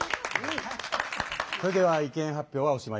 それでは意見発表はおしまいです。